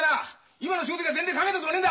今の仕事以外は全然考えたこともねえんだ！